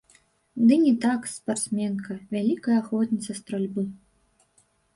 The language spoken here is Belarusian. Ды не, так, спартсменка, вялікая ахвотніца стральбы.